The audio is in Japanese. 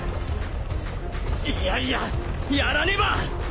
いやいややらねば！